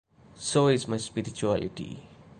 So is my spirituality.